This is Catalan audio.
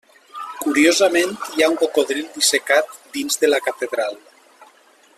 Curiosament, hi ha un cocodril dissecat dins de la catedral.